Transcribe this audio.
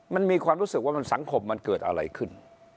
มันมีความรู้สึกว่าสังคมมันเกิดอะไรขึ้น